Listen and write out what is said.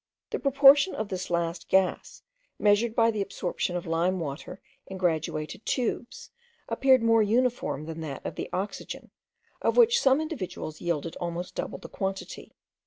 The proportion of this last gas, measured by the absorption of lime water in graduated tubes, appeared more uniform than that of the oxygen, of which some individuals yielded almost double the quantity.